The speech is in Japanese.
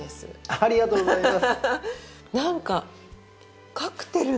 ありがとうございます。